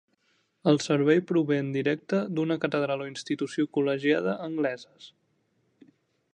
El servei prové en directe d'una catedral o institució col·legiada angleses.